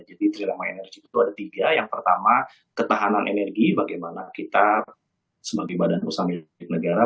jadi tri rema energy itu ada tiga yang pertama ketahanan energi bagaimana kita sebagai badan perusahaan energi negara